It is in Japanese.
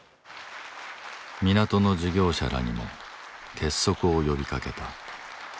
港の事業者らにも結束を呼びかけた。